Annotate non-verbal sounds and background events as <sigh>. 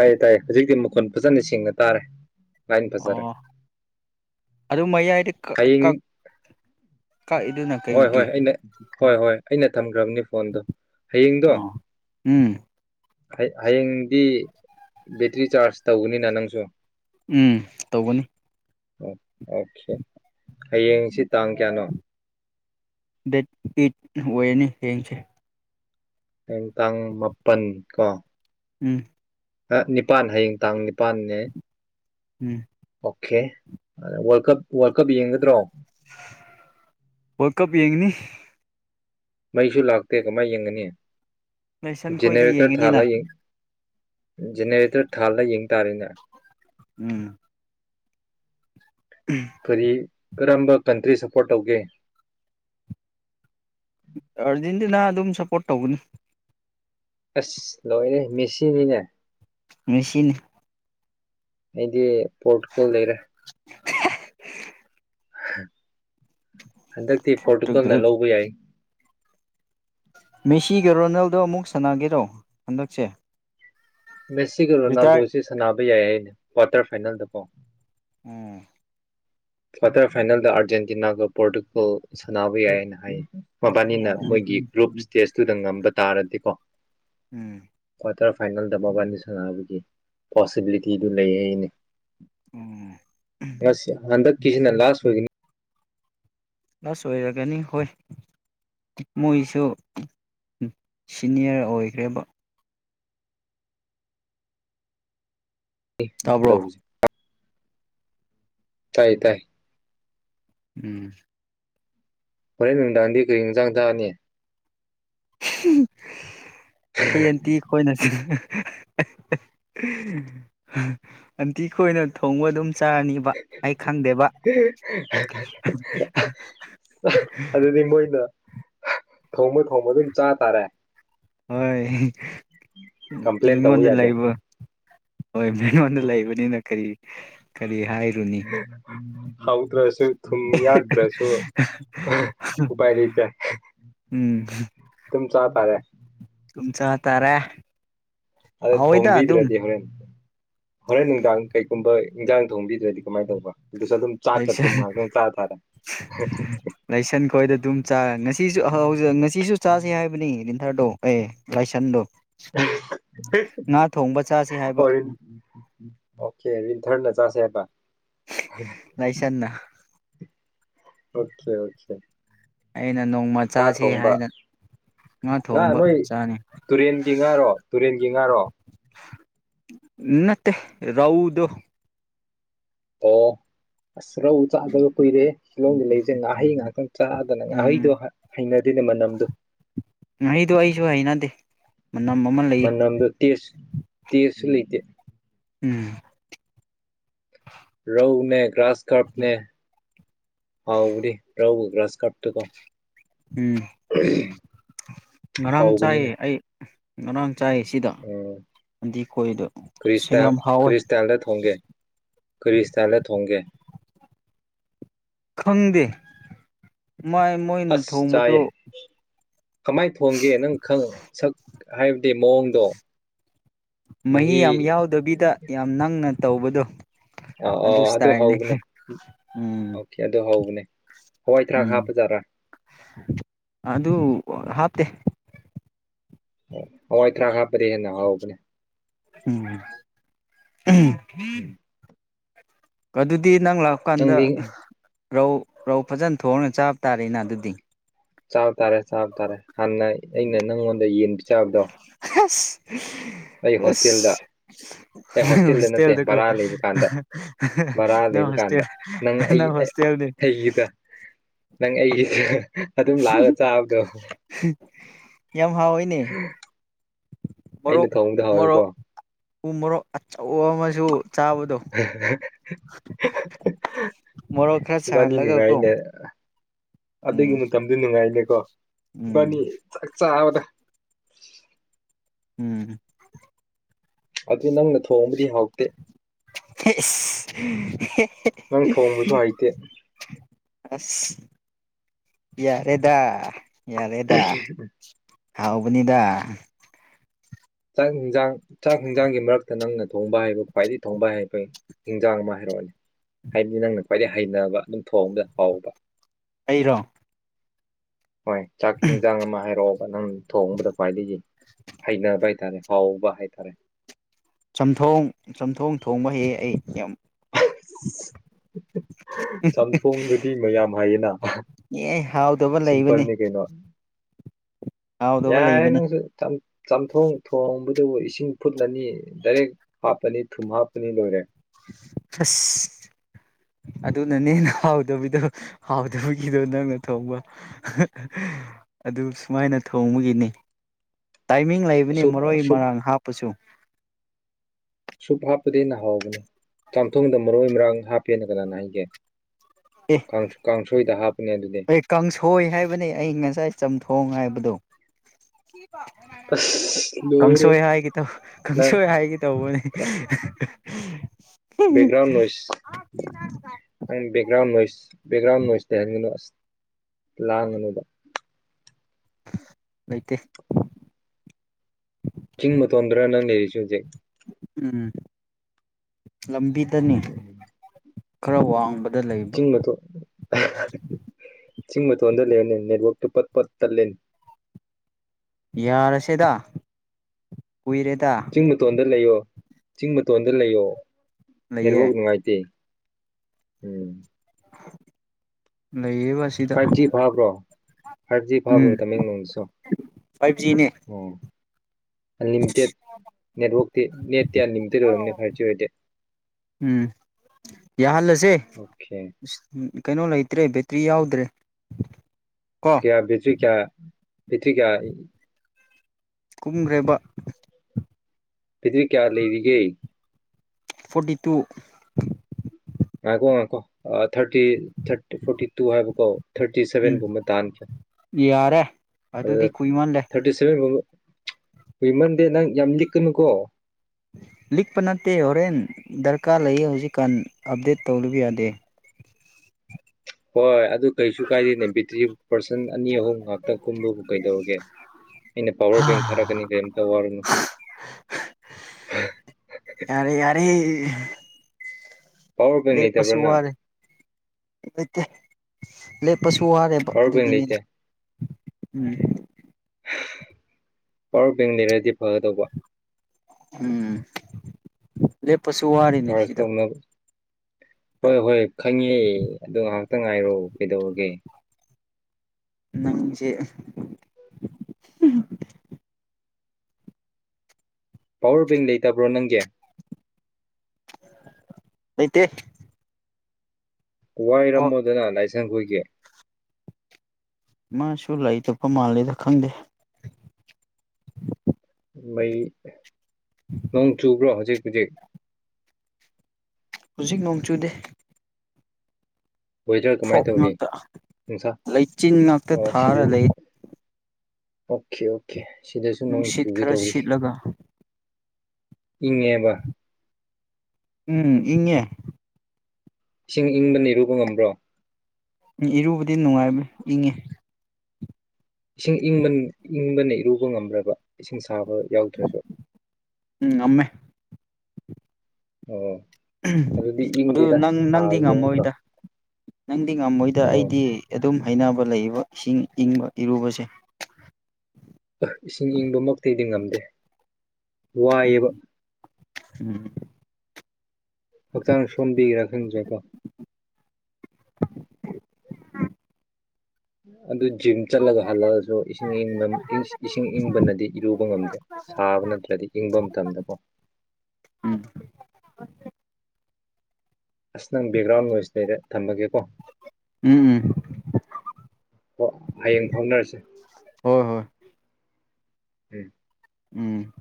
ꯇꯥꯏ ꯇꯥꯏꯌꯦ ꯍꯧꯖꯤꯛꯇ ꯈꯨꯟ ꯐꯖꯅ ꯁꯦꯡꯅ ꯇꯥꯔꯦ ꯂꯥꯏꯟ ꯐꯖꯔꯦ ꯑꯣ ꯑꯗꯨ ꯃꯌꯥꯏꯗ ꯍꯌꯦꯡ ꯀꯛꯏꯗꯨꯅ ꯍꯣꯏ ꯍꯣꯏ ꯀꯩꯒꯤ ꯑꯩꯅ ꯍꯣꯏ ꯍꯣꯏ ꯑꯩꯅ ꯊꯝ ꯕꯅꯤ ꯐꯣꯟꯗꯣ ꯍꯌꯦꯡꯗꯣ ꯑꯣ ꯎꯝ ꯍꯌꯦꯡꯗꯤ ꯕꯦꯇ꯭ꯔꯤ ꯆꯥꯔꯖ ꯇꯧꯒꯅꯤꯅ ꯅꯪꯁꯨ ꯎꯝ ꯇꯧꯧꯕꯅꯤ ꯑꯣ ꯑꯣꯀꯦ ꯍꯌꯦꯡꯁꯤ ꯇꯥꯡ ꯀꯌꯥꯅꯣ ꯗꯦꯠ ꯏꯠ ꯑꯣꯏꯌꯦꯅꯤ ꯍꯦꯡꯡꯁ ꯍꯌꯦꯦꯟ ꯇꯥꯡ ꯃꯥꯄꯟ ꯀꯣ ꯎꯝ ꯅꯤꯄꯥꯟ ꯍꯌꯦꯡ ꯇꯥꯡ ꯅꯤꯄꯥꯟꯅꯦ ꯎꯝ okay world cup world cup ꯌꯦꯡꯒꯗ꯭ꯔꯣ ꯍ ꯀꯞ ꯌꯦꯡꯉꯅꯤ ꯃꯩꯁꯨ ꯂꯥꯛꯇꯦ ꯀꯃꯥꯏ ꯌꯦꯡꯒꯅꯤ ꯂꯥꯏꯁꯪ ꯈꯣꯏꯗ ꯖꯅꯦꯔꯦꯇꯔ ꯊꯥꯂ ꯌꯦꯡꯒꯅꯤꯅ ꯌꯦ ꯖꯦꯅꯦꯔꯦꯇꯔ ꯊꯥꯜꯗ ꯌꯦꯡ ꯇꯥꯔꯦꯅꯦ ꯎꯝ ꯐꯔꯤ ꯀꯔꯝꯕ ꯀꯟꯇ꯭ꯔꯤ ꯁꯄꯣꯔꯠ ꯇꯧꯒꯦ ꯑꯥꯔꯖꯦꯟꯇꯤꯅꯥ ꯑꯗꯨꯝ ꯁꯞꯄꯣꯔꯠ ꯇꯧꯒꯅꯤ ꯑꯁ ꯂꯣꯏꯔꯦ ꯃꯦꯁꯤꯅꯤꯅꯦ ꯃꯦꯁꯤꯤꯟ ꯑꯩꯗꯤ ꯄꯣꯣꯔꯠꯀ ꯂꯩꯔꯦ <inaudible> ꯍꯟꯗꯛꯇꯤ ꯄꯣꯔꯇꯨꯒꯜ ꯄꯣꯔꯇꯨꯒꯜꯅ ꯂꯧꯕ ꯌꯥꯏ ꯃꯦꯁꯤꯒ ꯔꯣꯅꯦꯜꯗꯣ ꯑꯃꯨꯛ ꯁꯥꯟꯅꯒꯦꯔꯣ ꯍꯟꯗꯛꯁꯦ ꯃꯦꯁꯤꯒꯔꯣ ꯅ ꯔꯤꯇꯥꯌꯔ ꯇꯣꯁꯤ ꯁꯅꯥ ꯇ ꯌꯥꯏꯌꯦ ꯑꯩꯅ ꯀ꯭ꯋꯥꯔꯇꯔ ꯐꯥꯏꯅꯦꯜꯗ ꯀꯣ ꯎꯝ ꯀ꯭ꯋꯥꯇꯔ ꯐꯥꯏꯅꯦꯜꯗ ꯑꯥꯔꯖꯦꯟꯇꯤꯅꯥꯒ ꯄꯣꯔꯇꯨꯒꯜ ꯁꯥꯟꯅꯕ ꯌꯥꯏ ꯍꯥꯏꯅ ꯍꯥꯏ ꯃꯕꯥꯅꯤꯅ ꯑꯣ ꯃꯣꯏꯒꯤ ꯒ꯭ꯔꯨꯞ ꯀꯦꯁꯇꯨꯗ ꯉꯝꯕ ꯇꯥꯔꯗꯤꯀꯣ ꯎꯝ ꯀ꯭ꯋꯥꯇꯔ ꯐꯥꯏꯅꯦꯜꯗ ꯃꯕꯥꯅꯤ ꯁꯥꯟꯅꯕꯒꯤ ꯄꯣꯁꯤꯕꯤꯂꯤꯇꯤꯗꯨ ꯂꯩ ꯑꯩꯅꯦ ꯎꯝ ꯑꯁ ꯍꯟꯗ ꯀꯁꯤꯅ ꯂꯥꯁ ꯑꯣꯏꯒꯅꯤ ꯂꯥꯁ ꯑꯣꯏꯔꯒꯅꯤ ꯍꯣꯏ ꯃꯣꯏꯁꯨ ꯁꯤꯅꯤꯌꯔ ꯑꯣꯏꯈ꯭ꯔꯦꯕ ꯇꯥꯕ꯭ꯔꯣ ꯇꯧꯁꯦ ꯇꯥꯏ ꯇꯥꯏ ꯎꯝ ꯍꯣꯔꯦꯟ ꯅꯨꯡꯗꯥꯡꯗꯤ ꯀꯔꯤ ꯅꯨꯡꯁꯥꯡ ꯊꯥꯅꯤ ꯎ ꯍ ꯑꯦꯇꯤ ꯍꯣꯏꯅꯁꯤ ꯑꯟꯇꯤꯈꯣꯏꯅ ꯊꯣꯡꯕ ꯑꯗꯨꯝ ꯆꯥꯔꯅꯤꯕ ꯑꯩ ꯈꯪꯗꯦꯕ ꯑꯗꯨꯗꯤ ꯃꯣꯏꯅ ꯊꯣꯡꯕ ꯊꯣꯡꯕ ꯑꯗꯨꯝ ꯆꯥ ꯇꯥꯔꯦ ꯍꯣꯏ ꯀꯝꯄ꯭ꯂꯦꯟ ꯇꯧꯕ ꯏꯉꯣꯗ ꯌꯥꯗꯦ ꯂꯥꯏꯕ ꯍꯣꯏ ꯃꯤꯉꯣꯟꯗ ꯂꯩꯕꯅꯤꯅ ꯀꯔꯤ ꯐꯔꯤꯌꯦ ꯍꯧꯗ꯭ꯔꯁꯨ ꯊꯨꯝ ꯌꯥꯛꯇ꯭ꯔꯁꯨ ꯎꯄꯥꯏ ꯂꯩꯇꯦ ꯎꯝ ꯊꯨꯝ ꯆꯥ ꯇꯥꯔꯦ ꯇꯝ ꯆ ꯇꯔꯦ ꯑꯗ ꯊꯣꯡꯕꯤꯗ꯭ꯔꯗꯤ ꯍꯣꯔꯦꯟ ꯍꯣꯔꯦꯟ ꯅꯨꯡꯗꯥꯡ ꯀꯩꯒꯨꯝꯕ ꯏꯟꯖꯥꯡ ꯊꯣꯡꯕꯤꯗ꯭ꯔꯗꯤ ꯀꯃꯥꯏꯅ ꯇꯧꯅ ꯂꯥꯏꯁꯟ ꯇꯥꯔꯦ ꯂꯥꯏꯁꯟ ꯈꯣꯏꯗ ꯑꯗꯨꯝ ꯆꯥ ꯉꯁꯤꯁꯨ ꯍꯧꯛ ꯉꯁꯤꯁꯨ ꯆꯥꯁꯦ ꯍꯥꯏꯕꯅꯤ ꯂꯤꯟꯊꯔꯗꯣ ꯑꯦ ꯂꯥꯏꯁꯟꯗꯣ ꯉꯥ ꯊꯣꯡꯕ ꯆꯥꯁꯤ ꯍꯥꯏꯕ ꯑꯣ ꯑꯣꯀꯦ ꯔꯤꯟꯊꯔꯅ ꯆꯥꯁꯦ ꯑ ꯂꯩꯥꯏꯁꯟꯅ ꯑꯣꯀꯦ ꯑꯣꯦ ꯑꯩꯅ ꯅꯣꯡꯃ ꯆꯁꯤ ꯍꯥꯏꯅ ꯉꯥ ꯊꯣꯡꯕ ꯆꯥꯅꯤ ꯌꯦꯡꯉꯔꯣ ꯅꯠꯇ ꯔꯎꯗꯣ ꯑꯣꯣ ꯑꯁ ꯔꯧꯎ ꯆꯥꯗꯕ ꯀꯨꯏꯔꯦ ꯍꯤꯂꯣꯡꯗ ꯂꯩꯁꯦ ꯉꯥꯏꯥꯍꯩ ꯉꯍꯥꯛꯇ ꯆꯥꯗꯅ ꯉꯥꯍꯩꯗꯣ ꯎꯝ ꯍꯩꯅꯔꯤ ꯅꯤ ꯃ ꯅꯝꯗꯨ ꯗꯣ ꯑꯩꯁꯨ ꯍ ꯅꯗꯦ ꯃꯅꯝꯗ ꯇꯦꯁ ꯇꯦꯁꯁꯨ ꯂꯩꯇꯦ ꯎꯝ ꯔꯧꯅꯦ ꯀ꯭ꯂ꯭ꯔꯥꯁ ꯀꯔꯄꯅꯦ ꯍꯥꯎꯕꯨ ꯔꯎꯨ ꯀ꯭ꯂ꯭ꯂꯥꯁ ꯀꯥꯞꯇꯀꯣ ꯎꯝ ꯉꯥꯡ ꯍꯥꯎꯕꯅꯤꯅꯦ ꯆꯥꯏꯌꯦ ꯑꯩ ꯉꯅꯥꯡ ꯎꯝ ꯁꯤ ꯈ꯭ꯔꯤꯁꯇ ꯌꯥꯝ ꯍꯥꯎꯋꯦ ꯈ꯭ꯔꯤꯁꯇꯥꯟꯗ ꯊꯣꯡꯒꯦ ꯈ꯭ꯔꯤꯁꯇꯥꯟꯗ ꯊꯣꯡꯒꯦ ꯈꯪꯗꯦ ꯃꯥꯏ ꯃꯣꯏꯅ ꯊꯣꯡꯕꯗꯨ ꯀꯃꯥꯏꯅ ꯊꯣꯡꯒꯦ ꯅꯪ ꯈꯪꯉ ꯁꯛ ꯍꯥꯏꯕꯗꯤ ꯃꯑꯣꯡꯗꯣ ꯃꯍꯤ ꯌꯥꯝ ꯌꯥꯎꯗꯕꯤꯗ ꯌꯥꯝ ꯅꯪꯅ ꯇꯧꯕꯗꯣ ꯑ ꯑ ꯑꯗꯨ ꯍꯧꯅꯦ ꯎꯝ ꯑꯣꯀꯦ ꯑꯗꯨ ꯍꯧꯒꯅꯦ ꯍꯋꯥꯏ ꯊꯔꯥꯛ ꯎꯝ ꯍꯥꯞꯄ ꯖꯥꯠꯔꯥ ꯑꯗꯨ ꯍꯥꯞꯇꯦ ꯑꯣ ꯍꯋꯥꯏ ꯇꯔꯥ ꯍꯥꯞꯄꯗꯤ ꯍꯦꯟꯅ ꯍꯥꯎꯕꯅꯦ ꯎꯝ ꯎꯝ ꯎꯝ ꯀꯗꯤ ꯗꯤ ꯅꯪ ꯂꯥꯛ ꯀꯥꯟꯗ ꯅꯪꯗꯤ ꯔꯧ ꯔꯧ ꯐꯖꯅ ꯊꯣꯡꯅ ꯆꯥꯕ ꯇꯥꯔꯦꯅ ꯑꯗꯨꯗꯤ ꯆꯥꯎꯕ ꯇꯥꯔꯦ ꯆꯥꯎ ꯇꯥꯔꯦ ꯍꯥꯟꯅ ꯑꯩꯅ ꯅꯪꯉꯣꯟꯗ ꯌꯦꯟ ꯆꯥꯕꯗꯣ ꯑꯁ ꯑꯩ ꯍꯣꯁꯇꯦꯜꯗ ꯑꯁ ꯑꯩ ꯅꯪ ꯍꯣꯁꯇꯦꯜꯗ ꯅꯠꯇꯦ ꯍꯣꯁꯇꯦꯜꯗꯀꯣ ꯕꯔꯥ ꯂꯩꯕ ꯀꯥꯟꯗ ꯕꯔꯥ ꯅꯪ ꯂꯩꯕ ꯍꯣꯁꯇꯦꯜ ꯀꯥꯟꯗ ꯅꯪ ꯑꯩ ꯑꯩꯒꯤꯗ ꯅꯪ ꯑꯩꯒꯤꯗ ꯑꯗꯨꯝ ꯂꯥꯛꯑꯒ ꯆꯥꯕꯗꯣ <inaudible> ꯌꯥꯝ ꯍꯥꯎꯋꯏꯅꯦ ꯑꯩꯅ ꯃꯣꯔꯣꯛ ꯊꯣꯡꯕꯗ ꯍꯥꯎꯋꯦꯀꯣ ꯃꯣꯔꯣꯛ ꯎ ꯃꯣꯔꯣꯛ ꯑꯆꯧꯕ ꯑꯃꯁꯨ ꯆꯥꯕꯗꯣ ꯃꯣꯔꯣꯛ ꯈꯔ ꯏꯕꯥꯅꯤ ꯁꯥꯍꯜꯂꯒ ꯀꯣ ꯅꯨꯡꯉꯥꯏꯅꯦ ꯑꯗꯨꯒꯤ ꯎꯝ ꯃꯇꯝꯗꯨ ꯅꯨꯡꯉꯥꯏꯅꯦꯀꯣ꯫ ꯎꯝ ꯏꯕꯥꯅꯤ ꯆꯥꯛ ꯆꯕꯗꯣ <inaudible> ꯎꯝ꯫ ꯑꯗꯨ ꯅꯪ ꯅ ꯑꯦ ꯏꯁ! <unintelligible> ꯅꯪ ꯊꯣꯡꯕꯁꯨ ꯍꯩꯇꯦ꯫ ꯑꯁ ꯌꯥꯔꯦꯗꯥ! ꯌꯥꯔꯦꯗ ꯍꯥꯎꯕꯅꯤꯗ! ꯆꯥꯛ ꯌꯦꯟꯁꯥꯡ ꯆꯥꯛ ꯍꯤꯟꯖꯥꯡꯒꯤ ꯃꯔꯛꯇ ꯅꯪꯅ ꯊꯣꯡꯕ ꯍꯥꯏꯕ ꯈ꯭ꯋꯥꯏꯗꯒꯤ ꯊꯣꯡꯕ ꯍꯥꯏꯕ ꯍꯤꯟꯖꯥꯡ ꯑꯃ ꯍꯥꯏꯔꯛꯑꯅꯤ ꯍꯥꯏꯕꯗꯤ ꯅꯪꯅ ꯈ꯭ꯋꯥꯏꯗꯒꯤ ꯍꯩꯅꯕ ꯑꯗꯨꯝ ꯊꯣꯡꯕꯗ ꯍꯥꯎꯕ꯫ ꯑꯩꯔꯣ? ꯍꯣꯏ ꯆꯥꯛ ꯍꯤꯟꯖꯥꯡ ꯑꯃ ꯍꯥꯏꯔꯛ ꯑꯣꯕꯥ ꯅꯪ ꯊꯣꯡꯕꯗ ꯈ꯭ꯋꯥꯏꯗꯒꯤ ꯍꯩꯅꯕ ꯍꯥꯏꯇꯥꯔꯦ꯫ ꯍꯥꯎꯕ ꯍꯥꯏꯇꯥꯔꯦ꯫ ꯆꯝꯊꯣꯡ ꯆꯝꯊꯣꯡ ꯊꯣꯡꯕ ꯍꯩꯌꯦ ꯑꯩ꯫ ꯌꯥꯝ ꯆꯝꯊꯣꯡꯗꯨꯗꯤ ꯃꯌꯥꯝ ꯍꯥꯏꯌꯦꯅ ꯑꯦ ꯍꯥꯎꯗꯕ ꯂꯩꯕꯅꯤ ꯁꯤꯝꯄꯜꯅꯤ ꯀꯩꯅꯣ꯫ ꯍꯥꯎꯗꯕ ꯌꯥꯔꯦ ꯂꯩꯕꯅꯤ ꯅꯪꯁꯨ ꯆꯝꯊꯣꯡ ꯊꯣꯡꯕ ꯑꯗꯨꯕꯨ ꯏꯁꯤꯡ ꯐꯨꯠꯂꯅꯤ ꯗꯥꯏꯔꯦꯛ ꯍꯥꯞꯄꯅꯤ ꯊꯨꯝ ꯍꯥꯞꯄꯅꯤ ꯂꯣꯏꯔꯦ꯫ ꯑꯁ ꯑꯗꯨꯅꯅꯦꯅ ꯍꯥꯎꯗꯕꯤꯗꯣ ꯍꯥꯎꯗꯕꯒꯤꯗꯣ ꯅꯪꯅ ꯊꯣꯡꯕ ꯑꯗꯨ ꯁꯨꯃꯥꯏꯅ ꯊꯣꯡꯕꯒꯤꯅꯤ꯫ ꯇꯥꯏꯃꯤꯡ ꯂꯩꯕꯅꯤ ꯁꯨꯞ ꯃꯔꯣꯏ- ꯁꯨꯞ ꯃꯔꯥꯡ ꯍꯥꯞꯄꯁꯨ꯫ ꯁꯨꯞ ꯍꯥꯞꯄꯗꯒꯤ ꯅꯍꯥꯎꯕꯅꯤ ꯆꯥꯝꯊꯣꯡꯗ ꯃꯔꯣꯏ ꯃꯔꯥꯡ ꯍꯥꯞꯄꯦꯅ ꯀꯅꯥꯅ ꯍꯥꯏꯒꯦ? ꯑꯦ ꯀꯥꯡ ꯀꯥꯡꯁꯣꯏꯗ ꯍꯥꯞꯄꯅꯦ ꯑꯗꯨꯗꯤ ꯑꯦ ꯀꯥꯡꯁꯣꯏ ꯍꯥꯏꯕꯅꯦ ꯑꯩ ꯉꯁꯥꯏ ꯆꯝꯊꯣꯡ ꯍꯥꯏꯕꯗꯣ! ꯑꯁ <inaudible> ꯂꯣꯏꯔꯦ ꯀꯥꯡꯁꯣꯏ ꯍꯥꯏꯒꯦ ꯇꯧ ꯅꯪ ꯀꯥꯡꯁꯣꯏ ꯍꯥꯏꯒꯦ ꯇꯧꯕꯅꯤ꯫ Background noise background noise background ꯅꯣꯏꯁꯇ ꯍꯥꯏꯟꯒꯅꯨ ꯑꯁ ꯂꯥꯡꯉꯅꯨꯕ ꯂꯩꯇꯦ ꯆꯤꯡ ꯃꯇꯣꯟꯗꯔꯥ ꯅꯪ ꯂꯩꯔꯤꯁꯦ ꯍꯧꯖꯤꯛ ꯎꯝ ꯂꯝꯕꯤ ꯎꯝ ꯈꯔ ꯋꯥꯡꯕ ꯆꯤꯡ ꯃꯇꯣ ꯑꯍ ꯍ ꯍ ꯆꯤꯡ ꯃꯇꯣꯟꯗ ꯂꯩꯔꯅꯤ ꯅꯦꯠꯋꯥꯛꯇꯨ ꯄꯠ ꯄꯠ ꯇꯠꯂꯦꯅꯦ ꯌꯥꯔꯁꯦꯗꯥ ꯆꯤꯡ ꯃꯇꯣꯟꯗ ꯂꯩꯌꯣ ꯆꯤꯡ ꯃꯇꯣꯟꯗ ꯂꯩꯌꯣ ꯂꯩꯌꯦ ꯅꯦꯠꯋꯛ ꯅꯨꯡꯉꯥꯏꯇꯦ ꯎꯝ ꯎꯝ ꯐꯥꯏꯚ ꯖꯤ ꯐꯥꯕ꯭ꯔꯣ ꯐꯥꯏꯚ ꯖꯤ ꯐꯥꯕ꯭ꯔꯣ ꯎꯝ ꯇꯃꯦꯡꯂꯣꯡꯁꯨ ꯐꯥꯏꯚ ꯖꯤꯅꯦ ꯑꯣ ꯑꯟꯂꯤꯃꯤꯇꯦꯠ ꯅꯦꯠꯋꯥꯛꯇꯤ ꯅꯦꯠꯇꯤ ꯑꯟꯂꯤꯃꯤꯇꯦꯠ ꯑꯣꯏꯔꯝꯅꯤ ꯐꯥꯏꯚ ꯖꯤ ꯑꯣꯏꯗꯦ ꯎꯝ ꯌꯥꯍꯜꯂꯁꯦ ꯁꯦ ꯎꯁ ꯎꯝ ꯎꯝ ꯀꯩꯅꯣ ꯂꯩꯇ꯭ꯔꯦ ꯕꯦꯇ꯭ꯔꯤ ꯌꯥꯎꯗ꯭ꯔꯦ ꯀꯣ ꯀꯌꯥ ꯕꯤꯆꯨ ꯀꯌꯥ ꯄꯦꯇ꯭ꯔꯤ ꯀꯌꯥ ꯀꯨꯝꯈꯔ꯭ꯦ ꯕ ꯕꯦꯗꯔ꯭ꯤ ꯀꯌꯥ ꯂꯩꯔꯤꯒꯦ ꯐꯣꯔꯇꯤ ꯇꯨ ꯉꯥꯏꯈꯣ ꯉꯥꯏꯈꯣ ꯑ ꯊꯥꯔꯇꯤ ꯊꯔꯠ ꯐꯣꯔꯇꯤ ꯇꯨ ꯍꯥꯏꯕꯀꯣ ꯊꯥꯔꯇꯤ ꯎꯝ ꯁꯚꯦꯟꯒꯨꯝꯕ ꯇꯥꯟꯈꯤꯌꯣ ꯌꯥꯔꯦ ꯑꯗꯨꯗ ꯑꯗꯨꯗꯤ ꯀꯨꯏꯃꯜꯂꯦ ꯊꯥꯔꯇꯤ ꯁꯚꯦꯟꯒꯨꯝꯕ ꯀꯨꯏꯃꯟꯗꯦ ꯅꯪ ꯌꯝ ꯂꯤꯛꯀꯅꯨꯀꯣ ꯂꯤꯛꯄ ꯅꯠꯇꯦ ꯍꯣꯔꯦꯟ ꯗꯔꯀꯥꯔ ꯂꯩꯌꯦ ꯍꯧꯖꯤꯛꯀꯥꯟ ꯑꯞꯗꯦꯠ ꯇꯧꯕ ꯌꯥꯗꯦ ꯍꯣꯏ ꯑꯗꯨ ꯀꯩꯁꯨ ꯀꯥꯏꯗꯦꯅꯦ ꯕꯦꯇ꯭ꯔꯤ ꯄꯥꯔꯁꯟ ꯑꯅꯤ ꯑꯍꯨꯝ ꯉꯥꯛꯇ ꯀꯨꯝꯕꯕꯨ ꯀꯩꯗꯧꯔꯒꯦ ꯑꯩꯅ ꯄꯋꯥꯔ ꯕꯦꯡ ꯊꯥꯔꯛꯀꯅꯤ ꯀꯔꯤꯝꯇ ꯋꯥꯔꯨꯅꯨ ꯑꯍ ꯄꯋꯥꯔ ꯀ ꯅꯇꯕ꯭ꯔꯣꯅ ꯂꯩꯇꯩ ꯂꯦꯞ ꯄꯁꯨ ꯋꯥꯔꯦꯕ ꯄꯋꯥꯔ ꯕꯦꯡ ꯑꯗꯨꯒꯤꯅꯤꯗ ꯂꯩꯇꯦ ꯎꯝ ꯍ ꯄꯋꯥꯔ ꯕꯦꯡ ꯂꯩꯔꯗꯤ ꯐꯒꯗꯧꯕ ꯎꯝ ꯂꯦꯞ ꯄꯁꯨ ꯋꯥꯔꯤꯅꯦ ꯆꯥꯔꯖ ꯁꯤꯗ ꯇꯧꯅꯕ ꯍꯣꯏ ꯍꯣꯏ ꯈꯪꯉꯦ ꯑꯗꯣ ꯉꯥꯏꯍꯥꯛꯇꯪ ꯉꯥꯏꯔꯣ ꯀꯩꯗꯧꯔꯒꯦ ꯅꯪ ꯆꯦ ꯄꯋꯥꯔ ꯕꯦꯡ ꯂꯩꯇꯕ꯭ꯔꯣ ꯅꯪꯒꯤ ꯑꯇ ꯋꯥꯏ ꯔꯝꯃꯣꯗꯅꯥꯥꯏ ꯆꯪꯈꯣꯏꯒ ꯃꯥꯁꯨ ꯂꯩꯇꯣꯞꯄ ꯃꯥꯜꯂꯦꯗ ꯈꯪꯗꯦ ꯃꯩ ꯅꯣꯡ ꯆꯨꯞꯕ꯭ꯔꯣ ꯍꯧꯖꯤꯛ <inaudible> ꯍꯧꯖꯤꯛ ꯅꯣꯡ ꯆꯨꯗꯦ ꯋꯦꯗꯔ ꯀꯃꯥꯏꯅ ꯐꯣꯛ ꯉ ꯇꯧꯔꯤ ꯅꯨꯡꯁꯥ ꯂꯩꯆꯤꯟ ꯉꯥꯛꯇ ꯑꯣ ꯁꯤꯗ ꯊꯥꯔ ꯂꯩ ꯑꯣꯀꯦ ꯑꯣꯀꯦ ꯁꯤꯗꯁꯨ ꯅꯣꯡ ꯅꯨꯡꯁꯤꯠ ꯆꯨꯒꯦ ꯈꯔꯔ ꯇꯧꯔꯤ ꯁꯤꯠꯂꯒꯥ ꯏꯉꯦꯕ ꯎꯝ ꯏꯦ ꯏꯁꯤꯡ ꯏꯪꯅ ꯅꯅꯤꯔꯨꯕ ꯉꯝꯕ꯭ꯔꯣ ꯎꯝ ꯏꯔꯨꯕꯗꯤ ꯅꯨꯡꯉꯥꯏꯕ ꯏꯪꯉꯤ ꯏꯁꯤꯡ ꯏꯪꯕ ꯏꯪꯕꯅ ꯏꯔꯨꯕ ꯉꯝ꯭ꯔꯕ ꯏꯁꯤꯡ ꯁꯥꯕ ꯌꯥꯎꯗ꯭ꯔꯁꯨ ꯎꯝ ꯉꯝꯃꯦ ꯑꯣꯝ ꯑꯗꯨ ꯅꯪ ꯅꯪꯗꯤ ꯅꯠꯇ꯭ꯔꯣ ꯉꯝꯃꯣꯏꯗ ꯅꯪꯗꯤ ꯉꯝꯃꯣꯏꯗ ꯑꯣ ꯑꯩꯗꯤ ꯑꯗꯨꯝ ꯍꯩꯅꯕ ꯂꯩꯕ ꯏꯁꯤꯡ ꯏꯪꯕ ꯏꯔꯨꯕꯁꯦ ꯑ ꯏꯁꯤꯡ ꯏꯪꯕꯃꯛꯇꯤꯗꯤ ꯉꯝꯗꯦ ꯋꯥꯏꯕ ꯎꯝ ꯍꯛꯆꯥꯡ ꯁꯣꯝꯕꯤꯒꯦꯔꯥ ꯈꯪꯖꯦꯀꯣ ꯎꯝ ꯑꯗꯨ ꯖꯤꯝ ꯆꯠꯂꯒ ꯍꯜꯂꯛꯑꯁꯨ ꯏꯁꯤꯡ ꯏꯁꯤꯡ ꯏꯪꯕꯅꯗꯤ ꯏꯔꯨꯕ ꯉꯝꯗꯦ ꯁꯥꯕ ꯅꯠꯇ꯭ꯔꯗꯤ ꯏꯪꯕ ꯃꯇꯝꯗꯀꯣ ꯍ ꯑꯁ ꯅꯪ ꯕꯦꯛꯒ꯭ꯔꯥꯎꯟ ꯅꯣꯏꯁ ꯂꯩꯔꯦ ꯊꯝꯝꯕꯒꯦ ꯀ ꯎꯝ ꯎꯝ ꯍ ꯍꯌꯦꯡ ꯐꯥꯎꯅꯔꯁꯦ ꯍꯣꯏ ꯍꯣꯏ ꯎꯝ ꯎꯝ